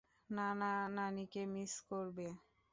নানা নানিকে মিস করবে?